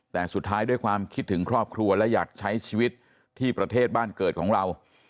แต่สุดท้ายด้วยความคิดถึงครอบครัวและอยากใช้ชีวิตที่ประเทศบ้านเกิดของเรา